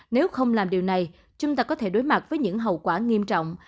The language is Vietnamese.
nếu không làm điều này chúng ta có thể đối mặt với những hậu quả nghiêm trọng